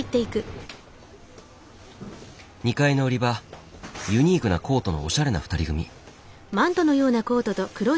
２階の売り場ユニークなコートのおしゃれな２人組。